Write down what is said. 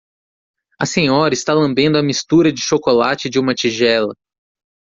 A senhora está lambendo a mistura de chocolate de uma tigela.